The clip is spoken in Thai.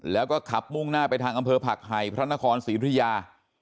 แล้วก็ขับมุ่งหน้าไปทางอำเภอผักไห่พระนครศรีธุยา